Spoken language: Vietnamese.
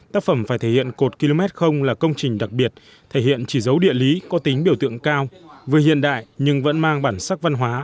tác phẩm phải thể hiện cột km là công trình đặc biệt thể hiện chỉ dấu địa lý có tính biểu tượng cao vừa hiện đại nhưng vẫn mang bản sắc văn hóa